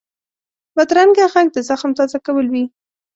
بدرنګه غږ د زخم تازه کول وي